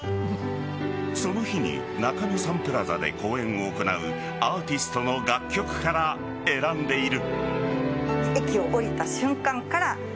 その日に中野サンプラザで公演を行うアーティストの楽曲から選んでいる。